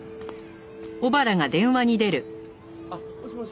あっもしもし？